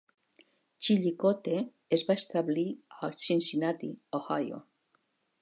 "Chillicothe" es va establir a Cincinnati, Ohio.